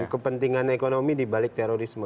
kepentingan ekonomi dibalik terorisme